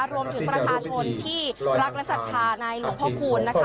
รวมถึงประชาชนที่รักและศักดิ์ภาคในหลวงพระคุณนะคะ